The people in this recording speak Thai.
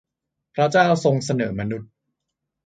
พระเจ้าทรงเสนอมนุษย์